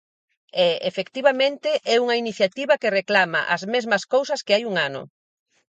E, efectivamente, é unha iniciativa que reclama as mesmas cousas que hai un ano.